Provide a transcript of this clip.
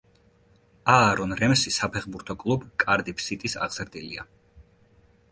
აარონ რემსი საფეხბურთო კლუბ კარდიფ სიტის აღზრდილია.